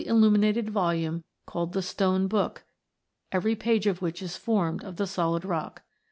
illuminated volume called the Stone Book, every page of which is formed of the solid rock.